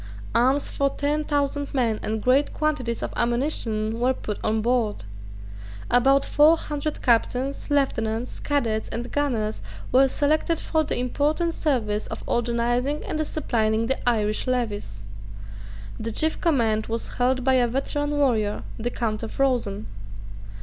Arms for ten thousand men and great quantities of ammunition were put on board. About four hundred captains, lieutenants, cadets and gunners were selected for the important service of organizing and disciplining the Irish levies. The chief command was held by a veteran warrior, the Count of Rosen.